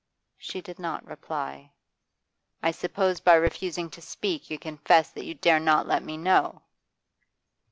She did not reply. 'I suppose by refusing to speak you confess that you dare not let me know?